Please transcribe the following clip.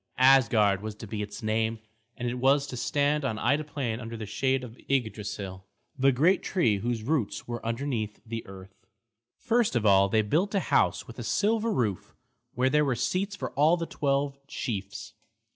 Asgard was to be its name, and it was to stand on Ida Plain under the shade of Yggdrasil, the great tree whose roots were underneath the earth. First of all they built a house with a silver roof, where there were seats for all the twelve chiefs.